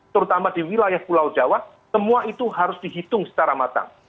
terutama di wilayah pulau jawa semua itu harus dihitung secara matang